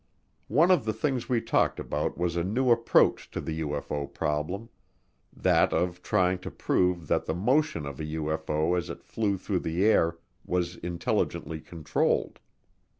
One of the things we talked about was a new approach to the UFO problem that of trying to prove that the motion of a UFO as it flew through the air was intelligently controlled.